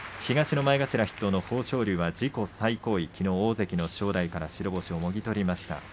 豊昇龍は自己最高位きのう大関の正代から白星をもぎ取りました。